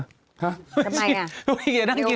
ห๊ะไม่ชิน